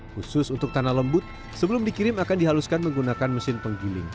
khusus untuk tanah lembut sebelum dikirim akan dihaluskan menggunakan mesin penggiling